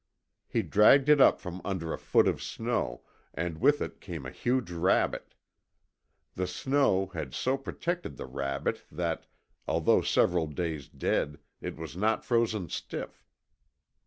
He dragged it up from under a foot of snow, and with it came a huge rabbit. The snow had so protected the rabbit that, although several days dead, it was not frozen stiff.